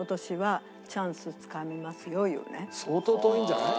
相当遠いんじゃない？